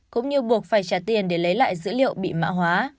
cũng như buộc phải trả tiền để lấy lại dữ liệu bị mã hóa